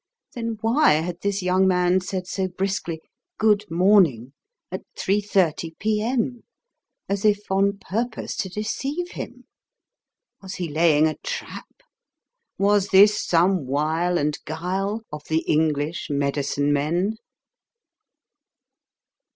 Then why had this young man said so briskly, "Good morning," at 3.30 P.M., as if on purpose to deceive him? Was he laying a trap? Was this some wile and guile of the English medicine men?